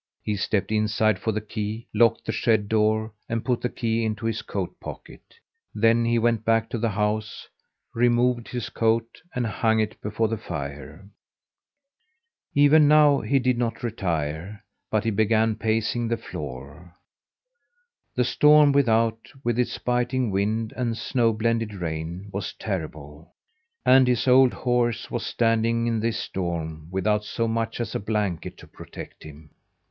He stepped inside for the key, locked the shed door and put the key into his coat pocket. Then he went back to the house, removed his coat, and hung it before the fire. Even now he did not retire, but began pacing the floor. The storm without, with its biting wind and snow blended rain, was terrible, and his old horse was standing in this storm without so much as a blanket to protect him!